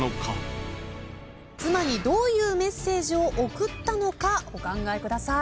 妻にどういうメッセージを送ったのかお考えください。